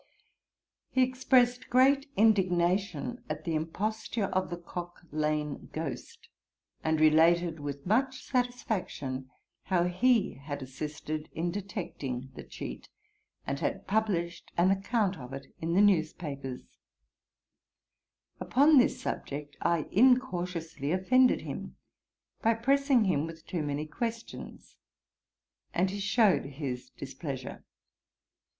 He expressed great indignation at the imposture of the Cocklane Ghost, and related, with much satisfaction, how he had assisted in detecting the cheat, and had published an account of it in the news papers. Upon this subject I incautiously offended him, by pressing him with too many questions, and he shewed his displeasure.